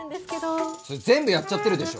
それ全部やっちゃってるでしょ。